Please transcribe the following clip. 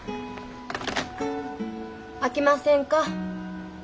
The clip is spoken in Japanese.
あきませんか？